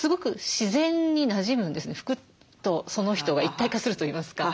服とその人が一体化するといいますか。